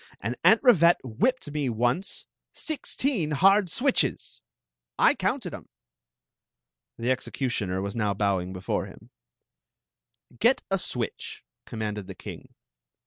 And Aunt Rivette whipped me once — sixteen hard switches ! I counted ♦»♦ em. The executioner was now bowing htUxt htm. Get a switch, commanded the king.